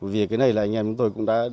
vì cái này là anh em chúng tôi cũng đã